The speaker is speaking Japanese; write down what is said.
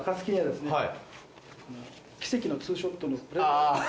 この奇跡のツーショットの。